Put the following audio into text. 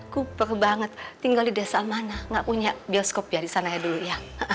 kuper banget tinggal di desa mana gak punya bioskop ya disananya dulu ya